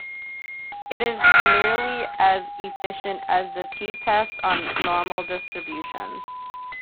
It is nearly as efficient as the "t"-test on normal distributions.